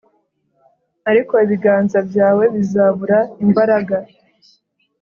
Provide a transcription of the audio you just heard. ariko ibiganza byawe bizabura imbaraga.